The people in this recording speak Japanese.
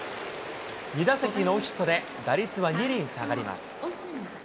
２打席ノーヒットで、打率は２厘下がります。